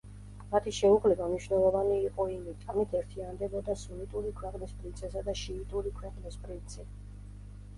მათი შეუღლება მნიშვნელოვანი იყო იმით, ამით ერთიანდებოდა სუნიტური ქვეყნის პრინცესა და შიიტური ქვეყნის პრინცი.